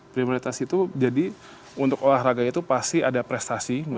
prioritas itu jadi untuk olahraga itu pasti ada prestasi